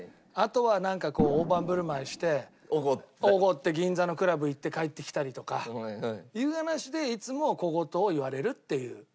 あとはなんかこう大盤振る舞いしておごって銀座のクラブ行って帰ってきたりとかっていう話でいつも小言を言われるっていう。